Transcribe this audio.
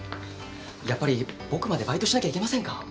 やっぱり僕までバイトしなきゃいけませんか？